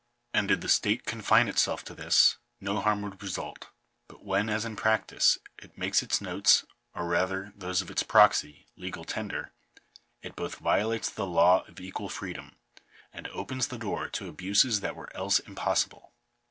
And did the state confine itself to this, no harm would result; but when, as in practice, it makes its notes, or, rather, those of its proxy, legal tender, it both violates the law of equal freedom and opens the door to abuses that were else impossible.